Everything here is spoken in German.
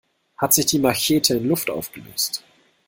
Hat sich die Machete in Luft aufgelöst?